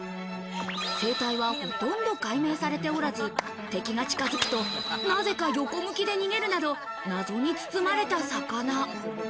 生態は、ほとんど解明されておらず、敵が近づくと、なぜか横向きで逃げるなど、謎に包まれた魚。